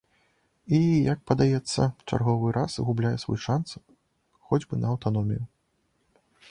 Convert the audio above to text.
І, як падаецца, чарговы раз губляе свой шанц хоць бы на аўтаномію.